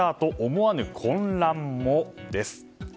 思わぬ混乱もです。